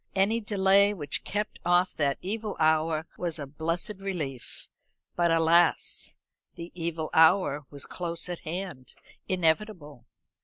Any delay which kept off that evil hour was a blessed relief; but alas! the evil hour was close at hand, inevitable.